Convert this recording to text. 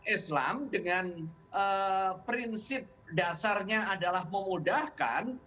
islam dengan prinsip dasarnya adalah memudahkan